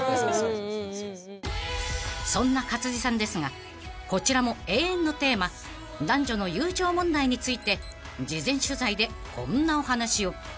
［そんな勝地さんですがこちらも永遠のテーマ男女の友情問題について事前取材でこんなお話を］